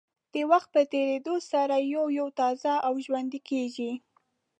د وخت په تېرېدو سره یو یو تازه او ژوندۍ کېږي.